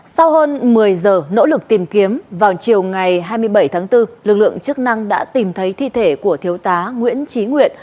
sau hơn một mươi giờ nỗ lực tìm kiếm vào chiều ngày hai mươi bảy tháng bốn lực lượng chức năng đã tìm thấy thi thể của thiếu tá nguyễn trí nguyện